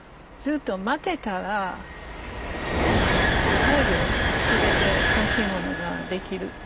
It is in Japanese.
ずっと待ってたら最後全て欲しいものが出来る。